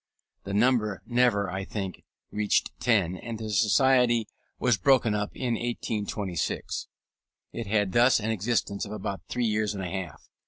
The number never, I think, reached ten, and the Society was broken up in 1826. It had thus an existence of about three years and a half.